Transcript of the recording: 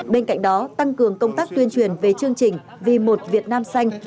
bên cạnh đó tăng cường công tác tuyên truyền về chương trình vì một việt nam xanh